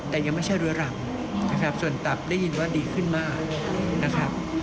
แต่ยังไม่ใช่เรื้อรังนะครับส่วนตับได้ยินว่าดีขึ้นมากนะครับ